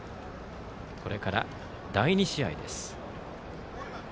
これから第２試合です。